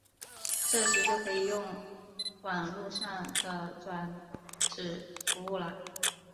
这时就可以用网路上的转址服务了。